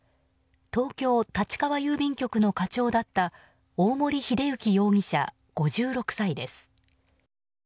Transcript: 東京・立川郵便局の課長だった大森秀之容疑者、５６歳です。